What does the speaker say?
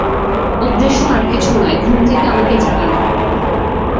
উদ্দেশ্য আর কিছু নয়, ঘুম থেকে আমাকে জাগানো।